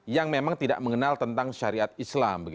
yang memang tidak mengenal tentang syariat islam